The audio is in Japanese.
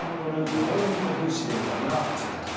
・ドボルニコフ司令官が就いたと。